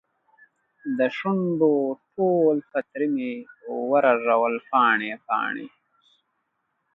دشونډو ټول پتري مې ورژول پاڼې ، پاڼې